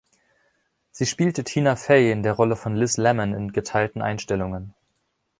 Sie spielte Tina Fey in der Rolle von Liz Lemon in geteilten Einstellungen.